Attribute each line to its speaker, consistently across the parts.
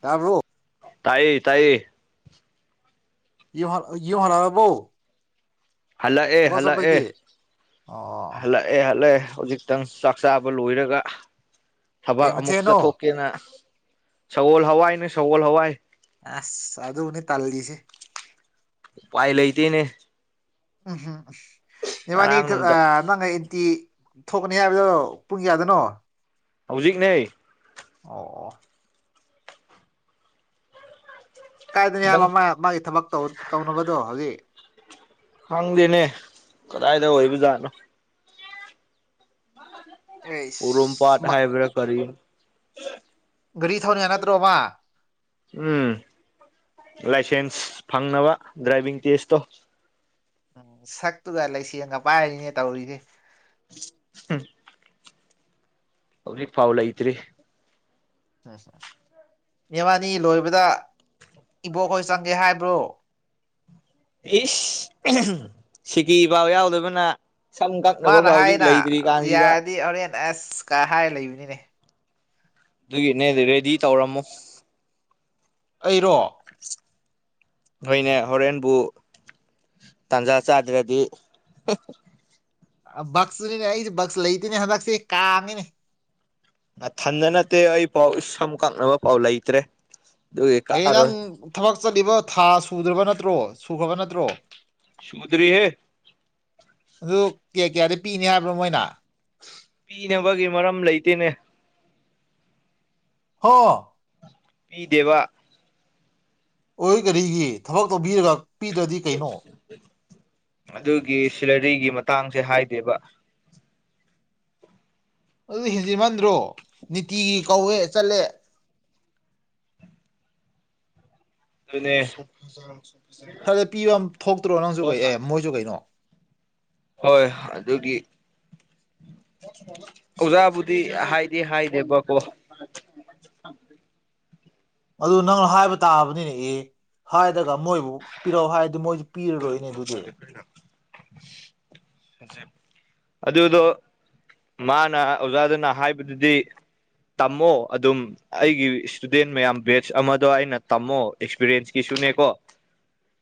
Speaker 1: ꯇꯥꯕ꯭ꯔꯣ
Speaker 2: ꯇꯥꯏꯌꯦ ꯇꯥꯏꯌꯦ
Speaker 1: ꯌꯨꯍꯥꯔ ꯌꯨꯍꯥꯔ ꯍꯥꯕ꯭ꯔꯣ
Speaker 2: ꯍꯜꯂꯛꯑꯦ ꯍꯜꯂꯛꯑꯦ
Speaker 1: ꯑꯣ
Speaker 2: ꯍꯜꯂꯛ ꯑꯩ ꯍꯜꯂꯛꯑꯦ ꯍꯧꯖꯤꯛꯇꯪ ꯆꯥꯛ ꯆꯥꯕ ꯂꯣꯏꯔꯒ
Speaker 1: ꯀꯩ
Speaker 2: ꯊꯕꯛ ꯑꯃꯨꯛ
Speaker 1: ꯃꯊꯦꯜꯅꯣ
Speaker 2: ꯆꯠꯊꯣꯛꯀꯦꯅ ꯁꯒꯣꯜ ꯍꯋꯥꯏꯅꯦ ꯁꯒꯣꯜ ꯍꯋꯥꯏ
Speaker 1: ꯑꯁ ꯑꯗꯨꯅꯦ ꯇꯜꯂꯤꯁꯦ
Speaker 2: ꯎꯄꯥꯏ ꯂꯩꯇꯦꯅꯦ
Speaker 1: ꯎꯝꯍꯨꯝ ꯎꯐ
Speaker 2: ꯉꯔꯥꯡ
Speaker 1: ꯏꯕꯅꯤꯗꯨ ꯑ
Speaker 2: ꯅꯨꯡꯗ
Speaker 1: [unintelligible] ꯊꯣꯛꯀꯅꯤ ꯍꯥꯏꯕꯗꯣ ꯄꯨꯡ ꯀꯌꯥꯗꯅꯣ
Speaker 2: ꯍꯧꯖꯤꯛꯅꯦ
Speaker 1: ꯑꯣ ꯑꯣ ꯀꯥꯏꯗꯅ
Speaker 2: ꯅꯪ
Speaker 1: ꯍꯥꯏꯕ ꯃꯥ ꯃꯥꯒꯤ ꯊꯕꯛ ꯇꯧ ꯇꯧꯅꯕꯗꯣ ꯍꯧꯖꯤꯛ
Speaker 2: ꯈꯪꯗꯦꯅꯦ ꯀꯗꯥꯏꯗ ꯑꯣꯏꯕ ꯖꯥꯠꯅꯣ
Speaker 1: ꯑꯩꯁ
Speaker 2: ꯎꯔꯣꯝꯄꯥꯥꯠ
Speaker 1: ꯃꯥ
Speaker 2: ꯍꯥꯏꯕ꯭ꯔꯥ ꯀꯔꯤ
Speaker 1: ꯒꯔꯤ ꯊꯧ [unintelligible] ꯌꯥ ꯅꯠꯇ꯭ꯔꯣꯕꯥ
Speaker 2: ꯎꯝ ꯂꯥꯏꯁꯦꯟꯁ ꯐꯪꯅꯕ ꯗ꯭ꯔꯥꯏꯚꯤꯡ ꯇꯦꯁꯇꯣ
Speaker 1: ꯁꯛꯇꯨꯒ ꯂꯩꯁꯦꯡꯒ ꯄꯥꯏꯔꯤꯅꯦ ꯇꯧꯔꯤꯁꯦ
Speaker 2: ꯍ ꯍꯧꯖꯤꯛ ꯐꯥꯎ ꯂꯩꯇ꯭ꯔꯤ
Speaker 1: [unintelligible] ꯏꯕꯥꯟꯅꯤ ꯂꯣꯏꯕꯗ ꯏꯕꯣꯛꯍꯣꯏ ꯆꯪꯒꯦ ꯍꯥꯏꯕ꯭ꯔꯣ
Speaker 2: ꯏꯁ ꯁꯤꯀꯤ ꯐꯥꯎ ꯌꯥꯎꯗꯕꯅ ꯁꯝ ꯀꯛꯅꯕ
Speaker 1: ꯃꯥꯅ
Speaker 2: ꯐꯥꯎ ꯍꯧꯖꯤꯛ
Speaker 1: ꯍꯥꯏꯅ
Speaker 2: ꯂꯩꯇ꯭ꯔꯤ ꯀꯥꯟꯁꯤꯗ
Speaker 1: ꯌꯥꯔꯗꯤ ꯍꯣꯔꯦꯟ ꯑꯁ ꯀ ꯍꯥꯏꯔ ꯂꯩꯕꯅꯤꯅꯦ
Speaker 2: ꯑꯗꯨꯒꯤꯅꯦ ꯔꯦꯗꯤ ꯇꯧꯔꯝꯃꯣ
Speaker 1: ꯑꯩꯔꯣ
Speaker 2: ꯅꯣꯏꯅꯦ ꯍꯣꯔꯦꯟꯕꯨ ꯇꯥꯟꯖꯥ ꯆꯥꯗ꯭ꯔꯗꯤ [unintelligible]
Speaker 1: ꯕꯛꯁꯁꯨꯅꯤꯅꯦ ꯑꯩꯁꯦ ꯕꯛꯁ ꯂꯩꯇꯦꯅꯦ ꯍꯟꯗꯛꯁꯦ ꯀꯥꯉꯤꯅꯦ
Speaker 2: ꯑꯊꯟꯗ ꯅꯠꯇꯦ ꯑꯩ ꯄꯥꯎ ꯁꯝ ꯀꯛꯅꯕ ꯄꯥꯎ ꯂꯩꯇ꯭ꯔꯦ ꯑꯗꯨꯒꯤ
Speaker 1: ꯑꯩ ꯅꯪ
Speaker 2: ꯀꯛꯑꯔꯣꯏ
Speaker 1: ꯊꯕꯛ ꯆꯠꯂꯤꯕ ꯊꯥ ꯁꯨꯗ꯭ꯔꯕ ꯅꯠꯇ꯭ꯔꯣ ꯁꯨꯈ꯭ꯔꯕ ꯅꯠꯇ꯭ꯔꯣ
Speaker 2: ꯁꯨꯗꯔꯤ ꯍꯦ
Speaker 1: ꯑꯗꯨ ꯀꯌꯥ ꯀꯌꯥꯗꯤ ꯄꯤꯅꯤ ꯍꯥꯏꯕꯅꯣ ꯃꯣꯏꯅ
Speaker 2: ꯄꯤꯅꯕꯒꯤ ꯃꯔꯝ ꯂꯩꯇꯦꯅꯦ
Speaker 1: ꯍ
Speaker 2: ꯄꯤꯗꯦꯕ
Speaker 1: ꯑꯣꯏ ꯀꯔꯤꯒꯤ ꯊꯕꯛ ꯇꯧꯕꯤꯔꯒ ꯄꯤꯗ꯭ꯔꯗꯤ ꯀꯩꯅꯣ
Speaker 2: ꯑꯗꯨꯒꯤ ꯁꯦꯂꯔꯤꯒꯤ ꯃꯇꯥꯡꯁꯦ ꯍꯥꯏꯗꯦꯕ
Speaker 1: ꯑꯗꯨ ꯍꯦꯟꯖꯤꯃꯟꯗ꯭ꯔꯣ ꯅꯤꯇꯤꯒꯤ ꯀꯧꯋꯦ ꯆꯠꯂꯦ
Speaker 2: ꯑꯗꯨꯅꯦ
Speaker 1: ꯈꯔꯗꯤ ꯄꯤꯕ ꯑꯃ ꯊꯣꯛꯇ꯭ꯔꯣ ꯅꯪꯁꯨ ꯀꯩ ꯑꯦ ꯃꯣꯏꯁꯨ ꯀꯩꯅꯣ
Speaker 2: ꯍꯣꯏ ꯑꯗꯨꯒꯤ ꯑꯣꯖꯥꯕꯨꯗꯤ ꯍꯥꯏꯗꯤ ꯍꯥꯏꯗꯦꯕꯀꯣ
Speaker 1: ꯑꯗꯨ ꯅꯪꯅ ꯍꯥꯏꯕ ꯇꯥꯕꯅꯤꯅꯦ ꯑꯦ ꯍꯥꯏꯔꯒ ꯃꯣꯏꯕꯨ ꯄꯤꯔꯛꯎ ꯍꯥꯏꯔꯗꯤ ꯃꯣꯏꯁꯤ
Speaker 2: [inaudible] ꯐꯗꯦ ꯄꯅ
Speaker 1: [inaudible]
Speaker 2: ꯑꯗꯨꯗꯣ ꯃꯥꯅ ꯑꯣꯖꯥꯗꯨꯅ ꯍꯥꯏꯕꯗꯨꯗꯤ ꯇꯝꯃꯣ ꯑꯗꯨꯝ ꯑꯩꯒꯤ ꯏꯁꯇꯨꯗꯦꯟ ꯃꯌꯥꯝ ꯕꯦꯁ ꯑꯃꯗꯣ ꯑꯩꯅ ꯇꯝꯃꯣ ꯑꯦꯛꯁꯄꯤꯔꯤꯟꯁꯀꯤꯁꯨꯅꯦꯀꯣ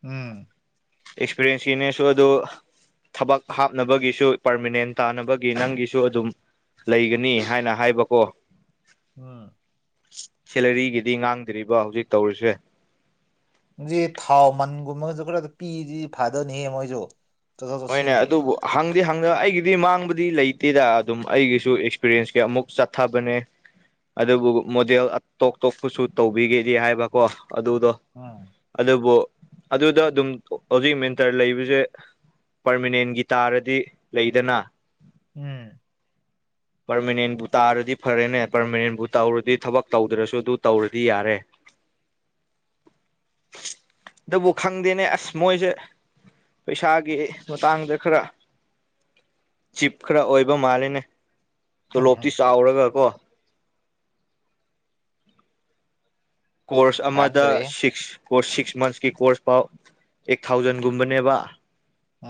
Speaker 1: ꯎꯝ
Speaker 2: ꯑꯦꯛꯁꯄꯤꯔꯤꯌꯦꯟꯁꯀꯤꯅꯦꯁꯨ ꯑꯗꯨꯣ ꯊꯕꯛ ꯍꯥꯞꯅꯕꯒꯤꯁꯨ ꯄꯥꯔꯃꯤꯅꯦꯟ ꯇꯥꯅꯕꯒꯤ ꯅꯪꯒꯤꯁꯨ ꯑꯗꯨꯝ ꯂꯩꯒꯅꯤ ꯍꯥꯏꯅ ꯍꯥꯏꯕꯀꯣ
Speaker 1: ꯑ
Speaker 2: ꯁꯦꯂꯔꯤꯒꯤꯗꯤ ꯉꯥꯡꯗ꯭ꯔꯤꯕ ꯍꯧꯖꯤꯛ ꯇꯧꯔꯤꯁꯦ
Speaker 1: ꯖꯤ ꯊꯥꯎ ꯃꯟꯒꯨꯝꯕꯒꯖꯨ ꯈꯔ ꯄꯤꯖꯤ ꯐꯥꯗꯅꯤꯍꯦ ꯃꯣꯏꯖꯨ
Speaker 2: ꯍꯣꯏꯅꯦ ꯑꯗꯨꯕꯨ ꯍꯪꯗꯤꯦ ꯍꯪꯗ ꯑꯩꯒꯤꯗꯤ ꯃꯥꯡꯕꯗꯤ ꯂꯩꯇꯦꯗ ꯑꯗꯨꯝ ꯑꯩꯒꯤꯁꯨ ꯑꯦꯛꯁꯄꯤꯔꯟꯁ ꯀꯩ ꯑꯃꯨꯛ ꯆꯠꯊꯕꯅꯦ ꯑꯗꯨꯕꯨ ꯃꯣꯗꯦꯜ ꯇꯣꯞ ꯇꯣꯞꯄꯁꯨ ꯇꯧꯕꯤꯒꯦꯗꯤ ꯍꯥꯏꯕꯀꯣ ꯑꯗꯨꯗꯣ
Speaker 1: ꯎꯝ
Speaker 2: ꯑꯗꯨꯕꯨ ꯑꯗꯨꯗ ꯑꯗꯨꯝ ꯍꯧꯖꯤꯛ ꯃꯦꯟꯇꯔ ꯂꯩꯕꯁꯦ ꯄꯔꯃꯅꯦꯟꯒꯤ ꯇꯥꯔꯗꯤ ꯂꯩꯗꯅ
Speaker 1: ꯎꯝ
Speaker 2: ꯄꯔꯃꯅꯦꯟꯕꯨ ꯇꯥꯔꯗꯤ ꯐꯔꯦꯅꯦ ꯄꯔꯃꯅꯦꯟꯕꯨ ꯇꯧꯔꯗꯤ ꯊꯕꯛ ꯇꯧꯗ꯭ꯔꯁꯨ ꯑꯗꯨ ꯇꯧꯔꯗꯤ ꯌꯥꯔꯦ
Speaker 1: [inaudible]
Speaker 2: ꯑꯗꯨꯕꯨ ꯈꯪꯗꯦꯅꯦ ꯑꯁ ꯃꯣꯏꯁꯦ ꯄꯩꯁꯥꯒꯤ ꯃꯇꯥꯡꯗ ꯈꯔ ꯆꯤꯞ ꯈꯔ ꯑꯣꯏꯕ ꯃꯥꯜꯂꯦꯅꯦ
Speaker 1: ꯎꯝ ꯎꯝ
Speaker 2: ꯇꯣꯂꯣꯞꯇꯤ ꯆꯥꯎꯔꯒ ꯀꯣ ꯀꯣꯔꯁ ꯑꯃꯗ
Speaker 1: ꯈꯪꯗ꯭ꯔꯦ
Speaker 2: ꯁꯤꯛꯁ ꯀꯣꯔꯁ ꯁꯤꯛꯁ ꯃꯟꯁꯀꯤ ꯀꯣꯔꯁ ꯐꯥꯎ ꯑꯩꯠ ꯊꯥꯎꯖꯟꯒꯨꯝꯕꯅꯦꯕ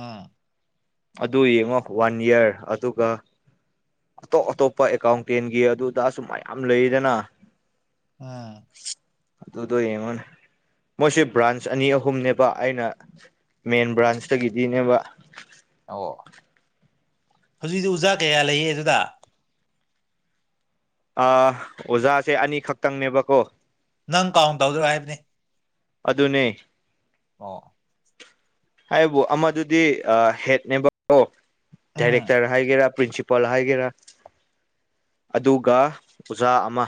Speaker 1: ꯑꯥ
Speaker 2: ꯑꯗꯨ ꯌꯦꯡꯉꯣ ꯋꯥꯟ ꯏꯌꯥꯔ ꯑꯗꯨꯒ ꯑꯇꯣꯞ ꯑꯇꯣꯞꯄ ꯑꯦꯀꯥꯎꯟꯇꯦꯟꯒꯤ ꯑꯗꯨꯗꯁꯨꯨꯝ ꯃꯌꯥꯝ ꯂꯩꯗꯅ
Speaker 1: ꯑꯥ
Speaker 2: ꯇꯨ ꯇ ꯑꯦꯃ ꯃꯣꯏꯁꯦ ꯕ꯭ꯔꯥꯟꯁ ꯑꯅꯤ ꯑꯍꯨꯝꯅꯦꯕ ꯑꯩꯅ ꯃꯦꯟ ꯕ꯭ꯔꯥꯟꯁꯇꯒꯤꯗꯤꯅꯦꯕ
Speaker 1: ꯑꯣ ꯍꯧꯖꯤꯛꯗꯤ ꯑꯣꯖꯥ ꯀꯌꯥ ꯂꯩꯌꯦ ꯑꯗꯨꯗ
Speaker 2: ꯑꯣꯖꯥꯁꯦ ꯑꯅꯤꯈꯛꯇꯪꯅꯦꯕꯀꯣ
Speaker 1: ꯅꯪ ꯀꯥꯎꯟ ꯇꯧꯗꯣꯏꯣ ꯍꯥꯏꯕꯅꯤ
Speaker 2: ꯑꯗꯨꯅꯦ
Speaker 1: ꯑꯣ
Speaker 2: ꯍꯥꯏꯕꯨ ꯑꯃꯗꯨꯗꯤ ꯍꯦꯠꯅꯦꯕꯣ
Speaker 1: ꯎꯝ
Speaker 2: ꯗꯥꯏꯔꯦꯛꯇꯔ ꯍꯥꯏꯒꯦꯔꯥ ꯄ꯭ꯔꯤꯟꯁꯤꯄꯥꯜ ꯍꯥꯏꯒꯦꯔꯥ ꯑꯗꯨꯒ ꯑꯣꯖꯥ ꯑꯃ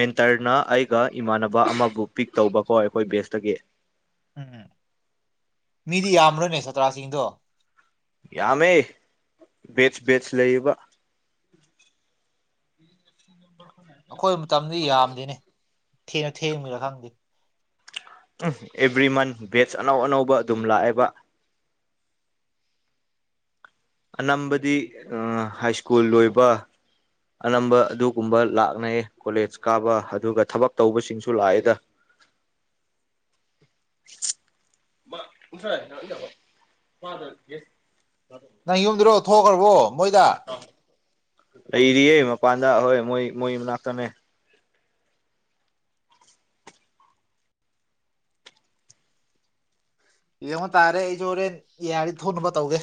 Speaker 2: ꯃꯦꯟꯇꯔꯅ ꯑꯩꯒ ꯏꯃꯥꯟꯅꯕ ꯑꯃꯕꯨ ꯄꯤꯛ ꯇꯧꯕꯀꯣ ꯑꯩꯈꯣꯏ ꯕꯦꯁꯇꯒꯤ
Speaker 1: ꯎꯝꯝ ꯃꯤꯗꯤ ꯌꯥꯝꯃ꯭ꯔꯣꯏꯅꯦ ꯆꯇ꯭ꯔꯥꯁꯤꯡꯗꯣ
Speaker 2: ꯌꯥꯝꯃꯦ ꯕꯦꯁ ꯕꯦꯁ ꯂꯩꯕ [inaudible]
Speaker 1: ꯑꯩꯈꯣꯏ ꯃꯇꯝꯗꯤ ꯌꯥꯝꯗꯤꯦꯅꯦ ꯊꯦꯡꯅ ꯊꯦꯡꯃꯤꯔꯥ ꯈꯪꯗꯦ
Speaker 2: ꯑꯦꯕ꯭ꯔꯤ ꯃꯟ ꯕꯦꯠꯁ ꯑꯅꯧ ꯑꯅꯧꯕ ꯑꯗꯨꯝ ꯂꯥꯛꯑꯦꯕ ꯑꯅꯝꯕꯗꯤ ꯍꯥꯏ ꯁ꯭ꯀꯨꯜ ꯂꯣꯏꯕ ꯑꯅꯝꯕ ꯑꯗꯨꯒꯨꯝꯕ ꯂꯥꯛꯅꯩꯌꯦ ꯀꯣꯂꯦꯖ ꯀꯥꯕ ꯑꯗꯨꯒ ꯊꯕꯛ ꯇꯧꯕꯁꯤꯡꯁꯨ ꯂꯥꯛꯑꯦꯗ ꯎ ꯎꯕꯣ ꯃꯥꯗ
Speaker 1: ꯅꯪ ꯌꯨꯝꯗꯨꯔꯣ ꯊꯣꯛꯈ꯭ꯔꯕꯣ ꯃꯣꯏꯗ
Speaker 2: ꯂꯩꯔꯤꯌꯦ ꯃꯄꯥꯟꯗ ꯍꯣꯏ ꯃꯣꯏ ꯃꯣꯏ ꯃꯅꯥꯛꯇꯃꯦ
Speaker 1: ꯌꯦꯉꯣꯟ ꯇꯥꯔꯦ ꯑꯩꯁꯨꯣꯔꯦ ꯌꯥꯔꯤ ꯊꯣꯡꯅꯨꯕ ꯇꯧꯒꯦ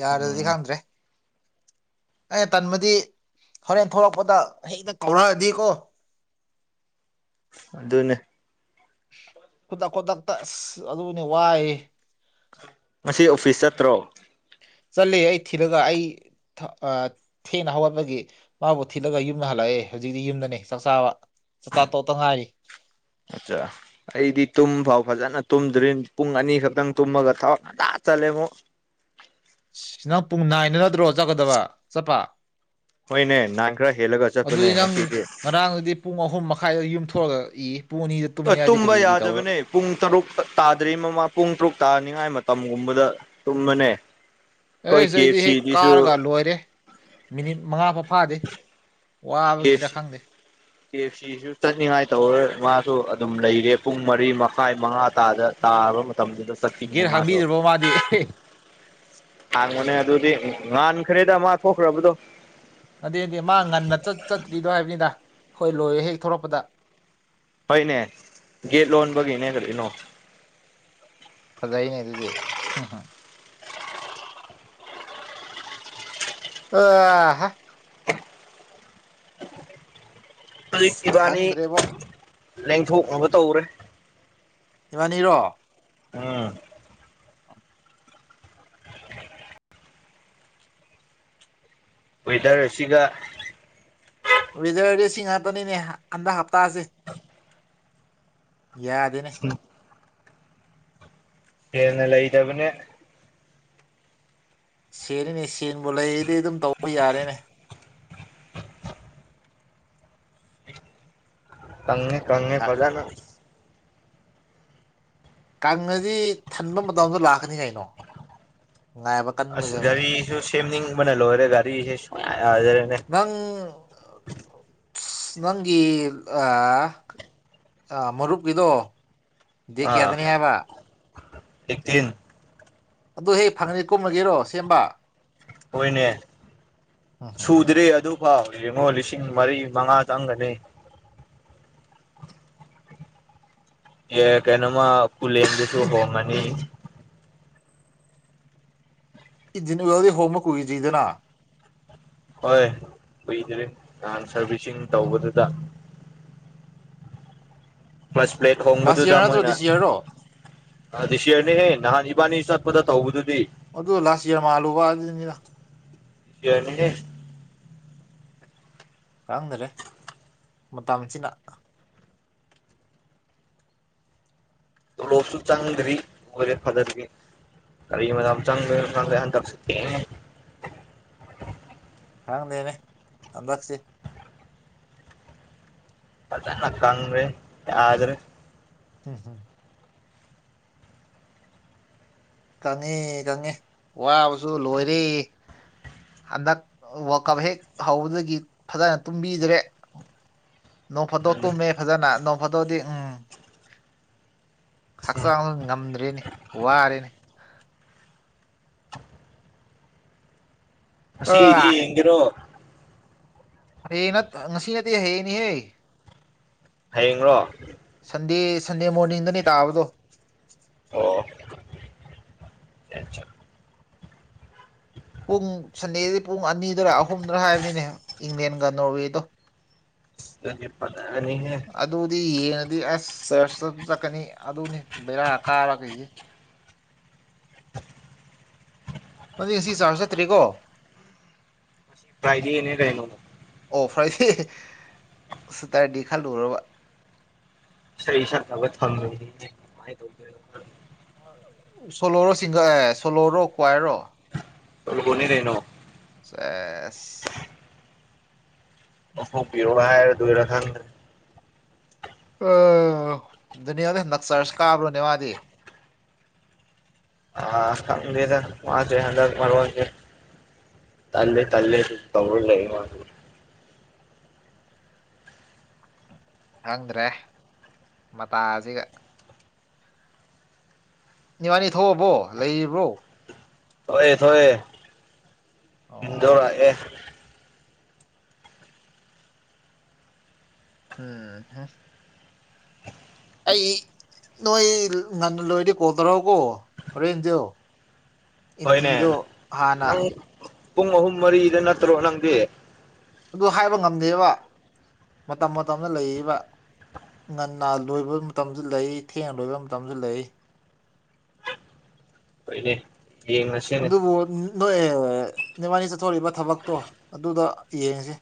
Speaker 1: ꯌꯥꯔꯗꯤ
Speaker 2: ꯎꯝ
Speaker 1: ꯈꯪꯗ꯭ꯔꯦ ꯑꯩꯅ ꯇꯟꯃꯗꯤ ꯍꯣꯔꯦꯟ ꯊꯣꯛꯂꯛꯄꯗ ꯍꯦꯛꯇ ꯀꯧꯔꯛꯑꯗꯤꯀꯣ
Speaker 2: ꯑꯗꯨꯅꯦ
Speaker 1: ꯈꯨꯗꯛ ꯈꯨꯗꯛꯇ ꯑꯁ ꯑꯗꯨꯅꯤ ꯋꯥꯏ
Speaker 2: ꯉꯁꯤ ꯑꯣꯐꯤꯁ ꯆꯠꯇ꯭ꯔꯣ
Speaker 1: ꯆꯠꯂꯦ ꯑꯩ ꯊꯤꯔꯒ ꯑꯩ ꯊꯦꯡꯅ ꯍꯧꯒꯠꯄꯒꯤ ꯃꯥꯕꯨ ꯊꯤꯠꯂꯒ ꯌꯨꯝꯗ ꯍꯜꯂꯛꯑꯦ ꯍꯧꯖꯤꯛꯇꯤ ꯌꯨꯝꯗꯅꯦ ꯆꯥꯛ ꯆꯥꯕ ꯆꯠꯆꯥꯥ ꯇꯣꯇꯅ ꯍꯥꯏꯔꯤ
Speaker 2: ꯑꯆꯥ ꯑꯩꯗꯤ ꯇꯨꯝꯐꯥꯎ ꯐꯖꯅ ꯇꯨꯝꯗ꯭ꯔꯤ ꯄꯨꯡ ꯑꯅꯤ ꯈꯛꯇꯪ ꯇꯨꯝꯃꯒ ꯊꯕꯛ ꯉꯖꯥ ꯆꯠꯂꯦ ꯑꯃꯨꯛ
Speaker 1: ꯅꯪ ꯄꯨꯡ ꯅꯥꯏꯅ ꯅꯠꯇ꯭ꯔꯣ ꯆꯠꯀꯗꯕ ꯆꯠꯄ
Speaker 2: ꯍꯣꯏꯅꯦ ꯅꯍꯥꯟ ꯈꯔ ꯍꯦꯜꯂꯒ ꯆꯠꯄꯅꯦ ꯉꯁꯤꯁꯦ
Speaker 1: ꯑꯥꯡꯗꯤ ꯄꯨꯡ ꯑꯍꯨꯝ ꯃꯈꯥꯏꯗ ꯌꯨꯝ ꯊꯣꯛꯑꯒ ꯏ ꯄꯨꯡ ꯑꯅꯤꯗ
Speaker 2: ꯑ
Speaker 1: ꯇꯨꯝꯃꯦ ꯍꯥꯏꯗꯤ
Speaker 2: ꯇꯨꯝꯕ
Speaker 1: ꯀꯔꯤ ꯀꯔꯤ ꯇꯧꯔ
Speaker 2: ꯌꯥꯗꯕꯅꯦ ꯄꯨꯡ ꯇꯔꯨꯛ ꯇꯥꯗ꯭ꯔꯤ ꯃꯃꯥꯡ ꯄꯨꯡ ꯇꯔꯨꯛ ꯇꯥꯅꯤꯡꯉꯥꯏ ꯃꯇꯝꯒꯨꯝꯕꯗ ꯇꯨꯝꯕꯅꯦ ꯑꯩꯈꯣꯏ
Speaker 1: ꯑꯩꯁ
Speaker 2: ꯀꯦ
Speaker 1: ꯑꯩꯗꯤ
Speaker 2: ꯑꯦꯐ
Speaker 1: ꯍꯦꯛ
Speaker 2: ꯁꯤꯗꯤꯁꯨ
Speaker 1: ꯀꯥꯔꯒ ꯂꯣꯏꯔꯦ ꯃꯤꯅꯤꯠ ꯃꯉꯥ ꯐꯥꯎ ꯐꯥꯗꯦ
Speaker 2: ꯀꯦ ꯑꯦꯐ
Speaker 1: ꯋꯥꯕꯒꯤꯔ
Speaker 2: ꯁꯤ
Speaker 1: ꯈꯪꯗꯦ
Speaker 2: ꯀꯦ ꯑꯦꯐ ꯁꯤꯁꯨ ꯆꯠꯅꯤꯡꯉꯥꯏ ꯇꯧꯔꯣꯏ ꯃꯥꯁꯨ ꯑꯗꯨꯝ ꯂꯩꯔꯦ ꯄꯨꯡ ꯃꯔꯤ ꯃꯈꯥꯏ ꯃꯉꯥ ꯇꯥꯗ ꯇꯥꯕ ꯃꯇꯝꯗꯨꯗ ꯆꯠꯈꯤꯕꯅꯦ
Speaker 1: ꯒꯦꯠ
Speaker 2: ꯃꯥꯁꯨ
Speaker 1: ꯍꯥꯡꯕꯤꯗ꯭ꯔꯕꯣ ꯃꯥꯗꯤ
Speaker 2: ꯍꯥꯡꯕꯅꯦ ꯑꯗꯨꯗꯤ ꯉꯍꯥꯟꯈꯔꯦꯗ ꯑꯃ ꯊꯣꯛꯈ꯭ꯔꯕꯗꯣ
Speaker 1: ꯑꯗꯨꯗꯗ ꯃꯥ ꯉꯟꯅꯠ ꯆꯠꯇ꯭ꯔꯤꯗꯣ ꯍꯥꯏꯕꯅꯤꯗ ꯍꯣꯏ ꯂꯣꯏꯌꯦꯦ ꯍꯦꯛ ꯊꯧꯔꯛꯄꯗ
Speaker 2: ꯍꯣꯏꯅꯦ ꯒꯦꯠ ꯂꯣꯟꯕꯒꯤꯅꯦ ꯀꯔꯤꯅꯣ
Speaker 1: ꯐꯗꯥꯏꯅꯦ ꯑꯗꯨꯗꯤ ꯎꯝ [unintelligible]
Speaker 2: ꯍꯧꯖꯤꯛ ꯏꯕꯥꯅꯤ
Speaker 1: ꯈꯪꯗ꯭ꯔꯦꯕꯣ
Speaker 2: ꯂꯦꯡꯊꯣꯛꯅꯕ ꯇꯧꯔꯦ
Speaker 1: ꯏꯕꯥꯅꯤꯔꯣ
Speaker 2: ꯎꯝ ꯋꯦꯗꯔ ꯑꯁꯤꯒ
Speaker 1: ꯋꯦꯗꯔꯗꯤ ꯁꯤ ꯉꯥꯛꯇꯅꯤꯅꯦ ꯍꯟꯗꯛ ꯍꯞꯇꯥꯁꯦ ꯌꯥꯗꯦꯅꯦ
Speaker 2: ꯎꯝ ꯍꯦꯟꯅ ꯂꯩꯇꯕꯅꯦ
Speaker 1: ꯁꯦꯜꯂꯤꯅꯦ ꯁꯦꯡꯕꯨ ꯂꯩꯔꯗꯤ ꯑꯗꯨꯝ ꯇꯧꯕ ꯌꯥꯔꯦꯅꯦ
Speaker 2: ꯀꯪꯉꯦ ꯀꯪꯉꯦ
Speaker 1: ꯀ-
Speaker 2: ꯐꯖꯅ
Speaker 1: ꯀꯪꯉꯗꯤ ꯊꯟꯕ ꯃꯇꯝꯗꯣ ꯂꯥꯛꯀꯅꯤ ꯀꯩꯅꯣ ꯉꯥꯏꯕ
Speaker 2: ꯑꯁ
Speaker 1: ꯀꯟꯒꯗꯕꯅꯤ
Speaker 2: ꯒꯥꯔꯤꯁꯨ ꯁꯦꯝꯅꯤꯡꯕꯅ ꯂꯣꯏꯔꯦ ꯒꯥꯔꯤꯁꯦ ꯁꯨꯡꯌꯥ ꯌꯥꯗꯔꯦꯅꯦ
Speaker 1: ꯀꯡ ꯑꯁ ꯅꯪꯒꯤ ꯑ ꯃꯔꯨꯞꯀꯤꯗꯣ ꯗꯦꯠ
Speaker 2: ꯑꯥ
Speaker 1: ꯀꯌꯥꯗꯅꯤ ꯍꯥꯏꯕ
Speaker 2: ꯑꯦꯛꯇꯤꯟ
Speaker 1: ꯑꯗꯨ ꯍꯦꯛ ꯐꯪꯉꯗꯤ ꯀꯨꯝꯂꯒꯦꯔꯣ ꯁꯦꯝꯕ
Speaker 2: ꯍꯣꯏꯅꯦ
Speaker 1: ꯎꯝꯍꯨꯝ
Speaker 2: ꯁꯨꯗ꯭ꯔꯦ ꯑꯗꯨ ꯋꯥꯎ ꯌꯦꯡꯉꯣ ꯂꯤꯁꯤꯡ ꯃꯔꯤ ꯃꯉꯥ ꯆꯪꯒ꯭ꯔꯅꯤ ꯑꯦ ꯀꯩꯅꯣꯃ ꯄꯨꯂꯦꯟꯗꯁꯨ ꯍꯣꯡꯉꯅꯤ
Speaker 1: ꯏꯟꯖꯤꯟ ꯑꯣꯏꯜꯗꯤ ꯍꯣꯡꯕ ꯀꯨꯏꯗ꯭ꯔꯤꯗꯅ
Speaker 2: ꯍꯣꯏ ꯀꯨꯏꯗ꯭ꯔꯤ ꯅꯍꯥꯟ ꯁꯥꯔꯚꯤꯁꯤꯡ ꯇꯧꯕꯗꯨꯗ ꯄ꯭ꯂꯁꯄ꯭ꯂꯦꯠ
Speaker 1: ꯂꯥꯁ
Speaker 2: ꯍꯣꯡꯕꯗꯨꯗ
Speaker 1: ꯌꯔ ꯅꯠꯇ꯭ꯔꯣ
Speaker 2: ꯃꯣꯏꯅ
Speaker 1: ꯗꯤꯁ ꯌꯔꯔꯣ
Speaker 2: ꯑꯗꯤꯁꯤꯌꯔꯅꯦꯍꯦ ꯅꯍꯥꯟ ꯏꯕꯥꯅꯤ ꯆꯠꯄꯗ ꯇꯧꯕꯗꯨꯗꯤ
Speaker 1: ꯑꯗꯨ ꯂꯥꯁ ꯏꯌꯔ ꯃꯥꯜꯂꯨꯕ ꯑꯗꯨꯅꯤꯗ
Speaker 2: ꯄꯤꯌꯔꯅꯤꯍꯦ
Speaker 1: ꯈꯡꯗꯔꯦ ꯃꯇꯝꯆꯤꯅ
Speaker 2: ꯇꯣꯂꯣꯞꯁꯨ ꯆꯪꯗ꯭ꯔꯤ ꯑꯣꯏꯔꯛ ꯐꯗ꯭ꯔꯒꯤ ꯀꯔꯤ ꯃꯇꯝ ꯆꯪꯗꯣꯏꯅꯣ ꯈꯪꯗꯦ ꯍꯟꯗꯛꯁꯦ ꯊꯦꯡꯉꯦ
Speaker 1: ꯈꯪꯗꯦꯅꯦ ꯍꯟꯗꯛꯁꯦ
Speaker 2: ꯐꯖꯅ ꯀꯪꯒ꯭ꯔꯦ ꯌꯥꯗ꯭ꯔꯦ
Speaker 1: ꯎꯝ ꯎꯝ [inaudible] ꯀꯪꯉꯦ ꯀꯪꯉꯦ ꯋꯥꯕꯁꯨ ꯂꯣꯏꯔꯦ ꯍꯟꯗꯛ ꯋꯥꯀꯞ ꯍꯦꯛ ꯍꯧꯕꯗꯒꯤ ꯐꯖꯅ ꯇꯨꯝꯕꯤꯗ꯭ꯔꯦ ꯅꯣꯡ ꯐꯗꯣꯛ
Speaker 2: ꯎꯝ
Speaker 1: ꯇꯨꯝꯃꯦ ꯐꯖꯅ ꯅꯣꯡ ꯐꯗꯣꯛꯗꯤ ꯎꯝ ꯍꯛꯆꯥꯡ ꯉꯝꯗ꯭ꯔꯦꯅꯦ ꯋꯥꯔꯦꯅꯦ
Speaker 2: ꯉꯁꯤꯒꯤꯗꯤ
Speaker 1: ꯑ
Speaker 2: ꯌꯦꯡꯒꯦꯔꯣ
Speaker 1: ꯍꯌꯦꯡ ꯅꯠ ꯉꯁꯤ ꯅꯠꯇꯦ ꯍꯌꯦꯡꯅꯦꯍꯦ
Speaker 2: ꯍꯌꯦꯡꯔꯣ
Speaker 1: ꯁꯟꯗꯦ ꯁꯟꯗꯦ ꯃꯣꯔꯅꯤꯡꯗꯅꯦ ꯇꯥꯕꯗꯣ
Speaker 2: ꯑꯣ ꯆ ꯆ
Speaker 1: ꯄꯨꯡ ꯁꯟꯗꯦꯗꯤ ꯄꯨꯡ ꯑꯅꯤꯗꯨꯔ ꯑꯍꯨꯝꯗꯨꯔ ꯍꯥꯏꯕꯅꯤꯅꯦ ꯏꯪꯂꯦꯟꯒ ꯅꯣꯔꯋꯦꯗꯣ
Speaker 2: ꯅꯤ ꯄ ꯍ
Speaker 1: ꯑꯗꯨꯗꯤ ꯌꯦꯡꯉꯗꯤ ꯑꯁ ꯆꯔꯁꯇꯁꯨ ꯆꯠꯀꯅꯤ ꯑꯗꯨꯅꯤ ꯕꯦꯔꯥ ꯀꯥꯔ ꯀꯩꯁꯦ ꯑꯗꯨ ꯉꯁꯤ ꯆꯥꯔ ꯆꯠꯇ꯭ꯔꯤꯀꯣ
Speaker 2: ꯐ꯭ꯔꯥꯏꯗꯦꯅꯦ ꯀꯩꯅꯣ
Speaker 1: ꯑꯣ ꯐ꯭ꯔꯥꯏꯗꯦ ꯁꯇꯔꯗꯦ ꯈꯜꯂꯨꯔꯕ
Speaker 2: ꯏꯁꯩ ꯁꯛꯅꯕ [unintelligible]
Speaker 1: ꯁꯣꯂꯣꯔꯣ ꯁꯤꯡꯒ ꯑꯦ ꯁꯣꯂꯣꯔꯣ ꯀ꯭ꯋꯥꯏꯔꯣ
Speaker 2: ꯇꯨꯜꯕꯨꯅꯤ ꯀꯩꯅꯣ
Speaker 1: ꯁꯦꯁ
Speaker 2: ꯑꯣꯟꯊꯣꯛꯄꯤꯔꯣꯒ ꯍꯥꯏꯔꯗꯣꯏꯔꯥ ꯈꯪꯗꯦ
Speaker 1: ꯑ ꯅꯤꯌꯥꯗ ꯅꯛꯆꯥꯔꯁ ꯀꯥꯕ꯭ꯔꯣꯅꯦ ꯃꯥꯗꯤ
Speaker 2: ꯑ ꯈꯝꯗ ꯃꯥꯦ ꯍꯗ ꯃꯔꯔꯋꯥꯦ ꯇꯂ ꯇꯂꯦ ꯇꯧꯜ ꯂꯩ
Speaker 1: ꯈꯪꯗ꯭ꯔꯦ ꯃꯇꯥꯁꯤꯒ ꯅꯤꯋꯥꯅꯤ ꯊꯣꯛꯑꯕꯣ ꯂꯩꯔꯤꯕ꯭ꯔꯣ
Speaker 2: ꯊꯣꯛꯑꯦ ꯊꯣꯛꯑ
Speaker 1: ꯑꯣ
Speaker 2: ꯏꯟꯗꯣꯔ ꯑꯦ
Speaker 1: ꯎꯝ ꯑꯩ ꯅꯣꯏ ꯉꯟꯅ ꯂꯣꯏꯔꯗꯤ ꯀꯣꯜ ꯇꯧꯔꯛꯑꯣꯀꯣ ꯍꯣꯔꯦꯟꯗꯤꯣ
Speaker 2: ꯍꯣꯏꯅꯦ
Speaker 1: ꯍꯥꯟꯅ
Speaker 2: ꯅꯪ ꯄꯨꯡ ꯑꯍꯨꯝ ꯃꯔꯤꯗ ꯅꯠꯇ꯭ꯔꯣ ꯅꯪꯗꯤ
Speaker 1: ꯑꯗꯨ ꯍꯥꯏꯕ ꯉꯝꯗꯦꯕ ꯃꯇꯝ ꯃꯇꯝꯗ ꯂꯩꯔꯤꯕꯕ ꯉꯟꯅ ꯂꯣꯏꯕ ꯃꯇꯝꯁꯨ ꯂꯩ ꯊꯦꯡꯅ ꯂꯣꯏꯕ ꯃꯇꯝꯁꯨ ꯂꯩ
Speaker 2: ꯍꯣꯏꯅꯦ ꯌꯦꯡꯉꯁꯤꯅꯦ
Speaker 1: ꯑꯗꯨꯣ ꯅꯣꯏ ꯅꯕꯥꯅꯤ ꯆꯠꯊꯣꯔꯛꯏꯕ ꯊꯕꯛꯇꯣ ꯑꯗꯨꯗ ꯌꯦꯡꯉꯁꯤ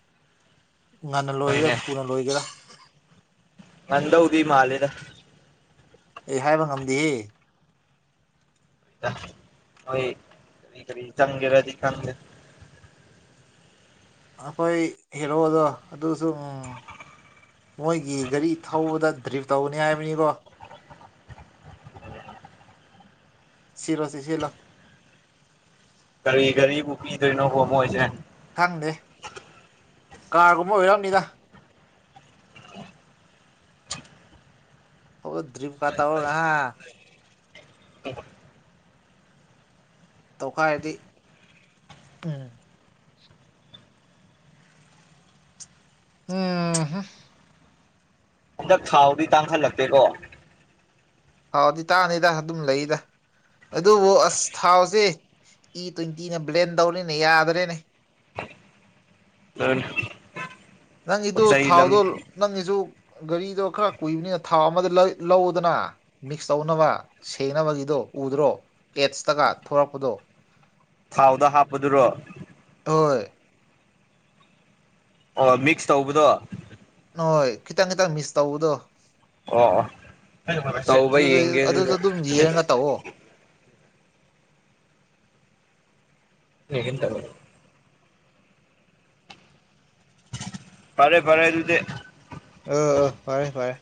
Speaker 1: ꯉꯟꯅ ꯂꯣꯏꯒꯦꯔꯥ
Speaker 2: ꯍꯣꯏꯅꯦ
Speaker 1: ꯊꯨꯅ ꯂꯣꯏꯒꯦꯔꯥ
Speaker 2: ꯅꯗꯧꯗ ꯃꯥꯂꯦꯗ
Speaker 1: ꯑꯩ ꯍꯥꯏꯕ ꯉꯝꯗꯦꯍꯦ
Speaker 2: ꯍꯣꯏ ꯀꯔꯤ ꯀꯔꯤ ꯆꯪꯒꯦꯔꯗꯤ ꯈꯪꯗꯦ
Speaker 1: ꯑꯩꯈꯣꯏ ꯍꯦꯔꯣꯗꯣ ꯑꯗꯨꯁꯨ ꯎꯝ ꯃꯣꯏꯒꯤ ꯒꯥꯔꯤ ꯊꯧꯕꯗ ꯗ꯭ꯔꯤꯞ ꯇꯧꯅꯤ ꯍꯥꯏꯕꯅꯤꯀꯣ ꯁꯤꯔꯣꯁꯤ ꯁꯤꯂꯣ
Speaker 2: ꯀꯔꯤ ꯒꯔꯤꯕꯨ ꯄꯤꯗꯣꯏꯅꯣꯕ ꯃꯣꯏꯖꯦ
Speaker 1: ꯈꯪꯗꯦ ꯀꯥꯔꯒꯨꯝꯕ ꯑꯣꯏꯔꯝꯅꯤꯗ ꯑꯣ ꯗ꯭ꯔꯤꯞ ꯀꯥꯊ ꯍꯥ ꯇꯧꯈꯥꯏꯔꯗꯤ ꯎꯝ ꯑꯥ ꯍꯥ
Speaker 2: ꯍꯟꯗꯛ ꯊꯥꯎꯗꯤ ꯇꯥꯡꯈꯜꯂꯛꯇꯦꯀꯣ
Speaker 1: ꯍꯥꯎꯗꯤ ꯇꯥꯅꯤꯗ ꯑꯗꯨꯝ ꯂꯩꯗ ꯑꯗꯨꯕꯨ ꯑꯁ ꯊꯥꯎꯁꯦ ꯏ ꯇ꯭ꯋꯦꯟꯇꯤꯅ ꯕ꯭ꯂꯦꯟ ꯇꯧꯔꯦꯅꯦ ꯌꯥꯗꯔꯦꯅꯦ
Speaker 2: [unintelligible] ꯄꯣꯠ
Speaker 1: ꯅꯪꯒꯤꯗꯨ
Speaker 2: ꯆꯩ ꯂꯝ
Speaker 1: ꯊꯥꯎꯗꯣ ꯅꯪꯒꯤꯁꯨ ꯒꯥꯔꯤꯗꯣ ꯈꯔ ꯀꯨꯏꯕꯅꯤꯅ ꯊꯥꯎ ꯑꯃꯗ ꯂꯩ ꯂꯧꯗꯅ ꯃꯤꯛꯁ ꯇꯧꯅꯕ ꯁꯅꯕꯒꯤꯗꯣ ꯎꯗ꯭ꯔꯣ ꯄꯦꯠꯁꯇꯒ ꯊꯣꯔꯛꯄꯗꯣ
Speaker 2: ꯊꯥꯎꯗ ꯍꯥꯞꯄꯗꯨꯔꯣ
Speaker 1: ꯍꯣꯏ
Speaker 2: ꯑꯣ ꯃꯤꯛꯁ ꯇꯧꯕꯗꯣ
Speaker 1: ꯅꯣꯏ ꯈꯤꯇꯪ ꯈꯤꯇꯪ ꯃꯤꯁ ꯇꯧꯕꯗꯣ
Speaker 2: ꯑꯣ ꯇꯧꯕ
Speaker 1: ꯑꯗꯨꯗ
Speaker 2: ꯌꯦꯡꯒꯦ
Speaker 1: ꯑꯗꯨꯗ
Speaker 2: ꯑꯗꯨꯒ
Speaker 1: ꯑꯗꯨꯝ ꯌꯦꯡꯉꯒ ꯇꯧꯑꯣ
Speaker 2: [unintelligible] ꯐꯔꯦ ꯐꯔꯦ ꯑꯗꯨꯗꯤ
Speaker 1: ꯑꯥ ꯐꯔꯦ ꯐꯔꯦ